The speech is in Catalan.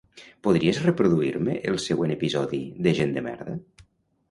Podries reproduir-me el següent episodi de "Gent de merda"?